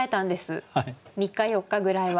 ３日４日ぐらいは。